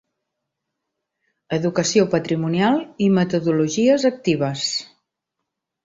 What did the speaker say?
Educació patrimonial i metodologies actives.